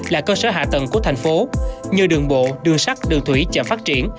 là cơ sở hạ tầng của thành phố như đường bộ đường sắt đường thủy chợ phát triển